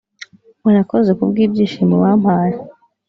urakoze ku bw’ibyishimo wampaye